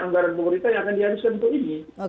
anggaran pemerintah yang akan diharuskan untuk ini